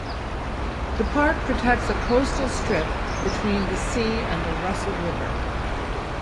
The park protects a coastal strip between the sea and the Russell River.